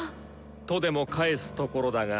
とでも返すところだが。